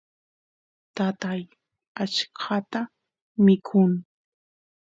tatay achkata mikun